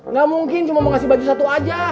nggak mungkin cuma mau ngasih baju satu aja